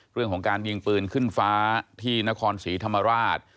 เรื่องของการยิงปืนขึ้นฟ้าที่นครศรีธรรมราช